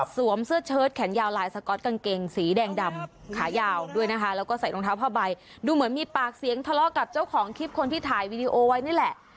เสื้อเชิดแขนยาวลายสก๊อตกางเกงสีแดงดำขายาวด้วยนะคะแล้วก็ใส่รองเท้าผ้าใบดูเหมือนมีปากเสียงทะเลาะกับเจ้าของคลิปคนที่ถ่ายวีดีโอไว้นี่แหละ